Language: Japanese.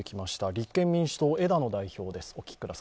立憲民主党、枝野代表です。